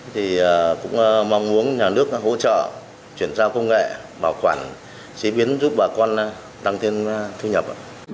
thì cũng mong muốn nhà nước hỗ trợ chuyển giao công nghệ bảo quản chế biến giúp bà con tăng thêm thu nhập